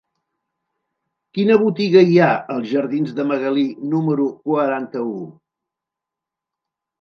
Quina botiga hi ha als jardins de Magalí número quaranta-u?